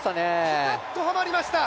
ピタッとはまりました。